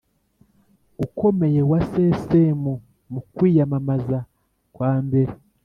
ukomeye wa ccm mu kwiyamamaza kwa mbere,